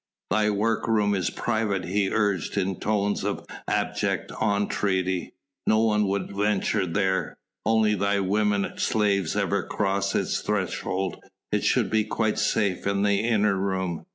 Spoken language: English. "Thy workroom is private," he urged in tones of abject entreaty; "no one would venture there ... only thy women slaves ever cross its threshold.... I should be quite safe in the inner room